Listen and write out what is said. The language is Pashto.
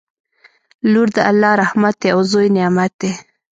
لور د الله رحمت دی او زوی نعمت دی